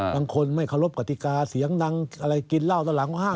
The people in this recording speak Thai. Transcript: บางคนไม่รับกฏิกาเสียงดังกินเล่าตอนหลังห้าง